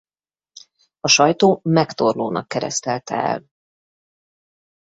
A sajtó Megtorlónak keresztelte el.